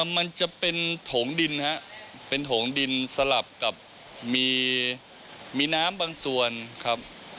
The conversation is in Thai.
มันจะเป็นโถงดินครับเป็นโถงดินสลับกับมีน้ำบางส่วนครับ